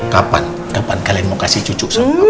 kapan kapan kalian mau kasih cucu sama kamu